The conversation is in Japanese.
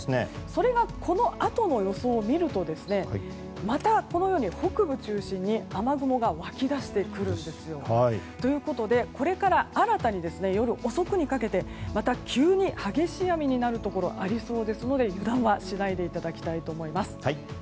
それがこのあとの予想を見るとまた北部を中心に雨雲が湧きだしてくるんです。ということで、これから新たに夜遅くにかけてまた急に激しい雨になるところがありそうですので油断はしないでいただきたいと思います。